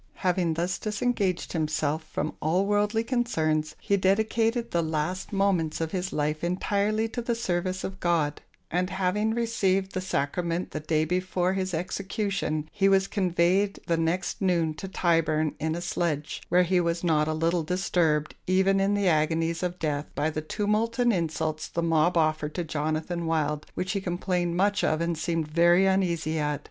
Having thus disengaged himself from all worldly concerns, he dedicated the last moments of his life entirely to the service of God; and having, received the Sacrament the day before his execution, he was conveyed the next noon to Tyburn in a sledge, where he was not a little disturbed, even in the agonies of death, by the tumult and insults the mob offered to Jonathan Wild, which he complained much of and seemed very uneasy at.